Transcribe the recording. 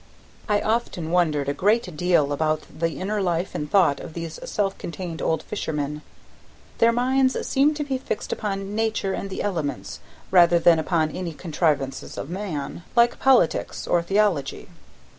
I often wondered a great deal about the inner life and thought of these self contained old fishermen; their minds seemed to be fixed upon nature and the elements rather than upon any contrivances of man, like politics or theology.